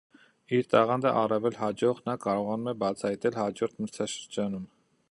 Իր տաղանդը առավել հաջող նա կարողանում է բացահայտել հաջորդ մրցաշրջանում։